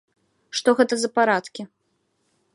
Што гэта за парадкі!